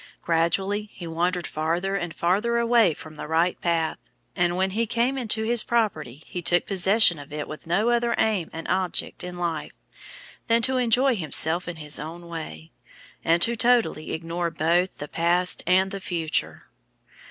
Gradually he wandered farther and farther away from the right path, and when he came into his property he took possession of it with no other aim and object in life than to enjoy himself in his own way and to totally ignore both the past and future.